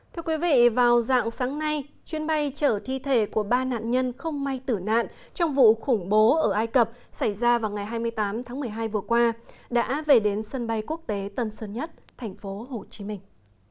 thưa quý vị vào dạng sáng nay chuyến bay chở thi thể của ba nạn nhân không may tử nạn trong vụ khủng bố ở ai cập xảy ra vào ngày hai mươi tám tháng một mươi hai vừa qua đã về đến sân bay quốc tế tân sơn nhất thành phố hồ chí minh